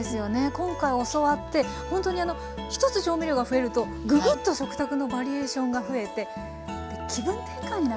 今回教わってほんとに１つ調味料が増えるとぐぐっと食卓のバリエーションが増えて気分転換になりますね。